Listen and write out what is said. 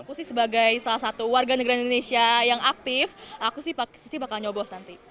aku sih sebagai salah satu warga negara indonesia yang aktif aku sih sisi bakal nyobos nanti